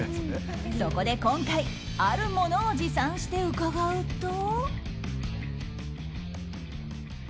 そこで今回あるものを持参して伺うと。